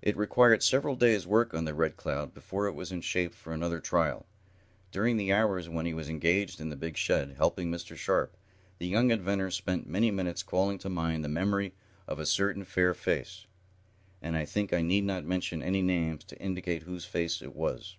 It required several days' work on the Red Cloud before it was in shape for another trial. During the hours when he was engaged in the big shed, helping Mr. Sharp, the young inventor spent many minutes calling to mind the memory of a certain fair face, and I think I need not mention any names to indicate whose face it was.